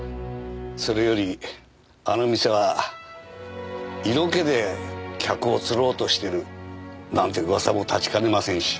それより「あの店は色気で客を釣ろうとしてる」なんて噂も立ちかねませんし。